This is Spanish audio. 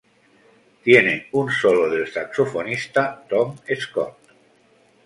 Tiene un solo del saxofonista Tom Scott.